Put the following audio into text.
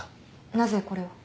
なぜこれを？